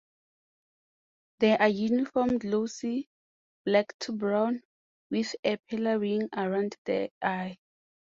They are uniform glossy black to brown, with a paler ring around the eye.